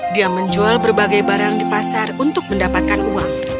dia menjual berbagai barang di pasar untuk mendapatkan uang